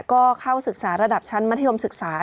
ก็เข้าศึกษาระดับชั้นมัธยมศึกษา